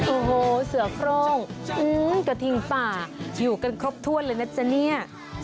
โอ้โหเสือโครงกระทิงป่าอยู่กันครบถ้วนเลยนะจ๊ะเนี่ย